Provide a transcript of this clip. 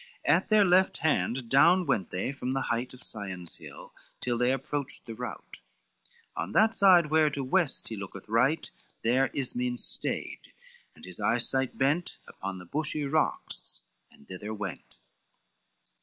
At their left hand down went they from the height Of Sion's Hill, till they approached the route On that side where to west he looketh right, There Ismen stayed, and his eyesight bent Upon the bushy rocks, and thither went.